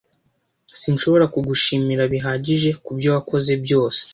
Sinshobora kugushimira bihagije kubyo wakoze byose.